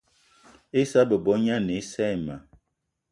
Issa bebo gne ane assa ayi ma.